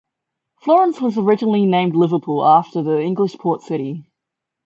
Florence was originally named Liverpool after the English port city.